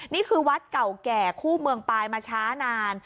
นี่คือวัดเก่าแก่คู่เมืองปลายมาช้านาน